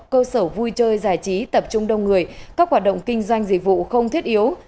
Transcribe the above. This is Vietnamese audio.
cơ sở vui chơi giải trí tập trung đông người các hoạt động kinh doanh dịch vụ không thiết yếu